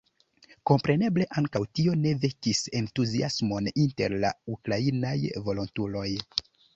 Kompreneble ankaŭ tio ne vekis entuziasmon inter la ukrainaj volontuloj.